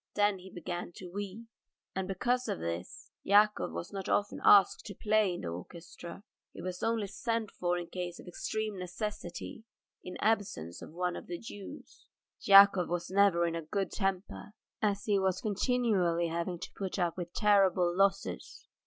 Then he began to weep. And because of this Yakov was not often asked to play in the orchestra; he was only sent for in case of extreme necessity in the absence of one of the Jews. Yakov was never in a good temper, as he was continually having to put up with terrible losses.